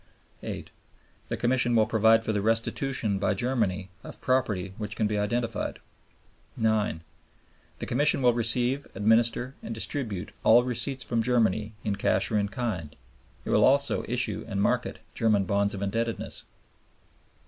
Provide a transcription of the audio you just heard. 8. The Commission will provide for the restitution by Germany of property which can be identified. 9. The Commission will receive, administer, and distribute all receipts from Germany in cash or in kind. It will also issue and market German bonds of indebtedness.